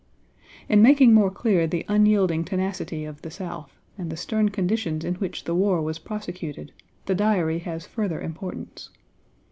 In making more clear the unyielding tenacity of the South and the stern conditions in which the war was prosecuted, the Diary has further importance.